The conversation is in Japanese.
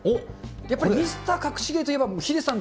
やっぱりミスターかくし芸といえば、ヒデさん